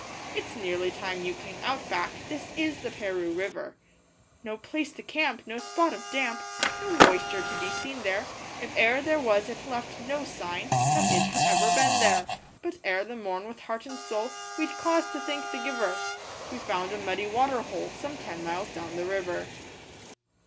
'It's nearly time you came out back 'This is the Paroo River!' No place to camp no spot of damp No moisture to be seen there; If e'er there was it left no sign That it had ever been there. But ere the morn, with heart and soul We'd cause to thank the Giver We found a muddy water hole Some ten miles down the river.